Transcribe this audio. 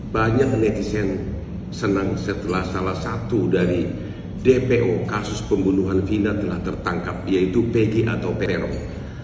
banyak netizen senang setelah salah satu dari dpo kasus pembunuhan vina telah tertangkap yaitu pg atau peron